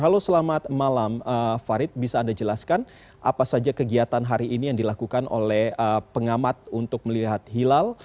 halo selamat malam farid bisa anda jelaskan apa saja kegiatan hari ini yang dilakukan oleh pengamat untuk melihat hilal